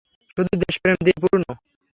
শুধু দেশপ্রেম দিয়ে পূর্ণ!